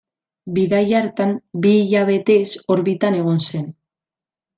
Bidai hartan, bi hilabetez orbitan egon zen.